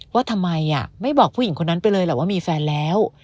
ว่าทำไมไม่บอกผู้หญิงคนนั้นไปเลยแหละว่ามีแฟนแล้ว